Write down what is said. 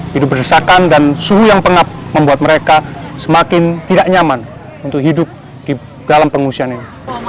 hidup berdesakan dan suhu yang pengap membuat mereka semakin tidak nyaman untuk hidup di dalam pengungsian ini